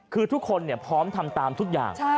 คือทุกคนพร้อมทำตามทุกอย่าง